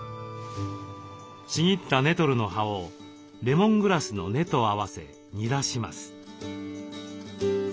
ちぎったネトルの葉をレモングラスの根と合わせ煮出します。